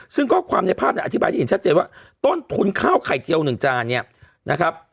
ซึ่งข้อความในภาพเนี่ยอธิบายได้เห็นชัดเจนว่าต้นทุนข้าวไข่เทียว๑จานเนี่ยนะครับ